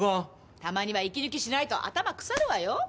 たまには息抜きしないと頭腐るわよ！